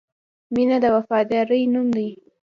• مینه د وفادارۍ نوم دی.